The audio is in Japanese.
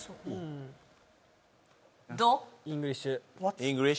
どう？